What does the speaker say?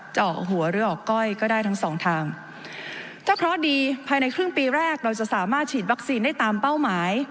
เจาะหัวหรือออกก้อยก็ได้ทั้งสองทางถ้าเคราะห์ดีภายในครึ่งปีแรกเราจะสามารถฉีดวัคซีนได้ตามเป้าหมาย